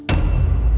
kami ini pasukan